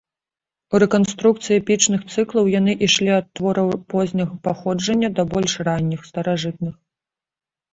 У рэканструкцыі эпічных цыклаў яны ішлі ад твораў позняга паходжання да больш ранніх, старажытных.